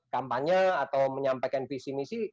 kampanye atau menyampaikan visi misi